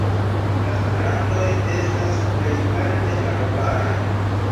La strandoj estas plejparte arbaraj.